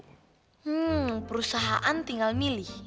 tiga perusahaan tinggal milih